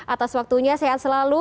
atas waktunya sehat selalu